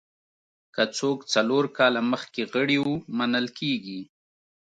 که څوک څلور کاله مخکې غړي وو منل کېږي.